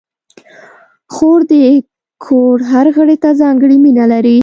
خور د کور هر غړي ته ځانګړې مینه لري.